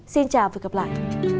xin chào và hẹn gặp lại